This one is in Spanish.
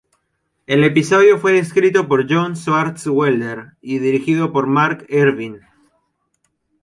El episodio fue escrito por John Swartzwelder y dirigido por Mark Ervin.